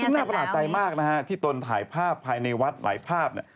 น่าประหลาดใจมากนะฮะที่ตนถ่ายภาพภายในวัดหลายภาพเนี่ย